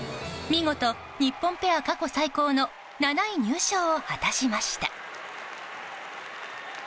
見事、日本ペア過去最高の７位入賞を果たしました。